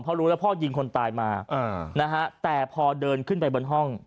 เพราะรู้แล้วพ่อยิงคนตายมานะฮะแต่พอเดินขึ้นไปบนห้อง